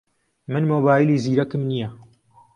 من مۆبایلی زیرەکم نییە.